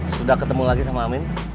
sudah ketemu lagi sama amin